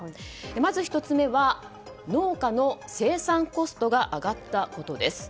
まず１つ目は農家の生産コストが上がったことです。